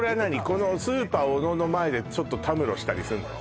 このスーパーおのの前でちょっとたむろしたりすんの？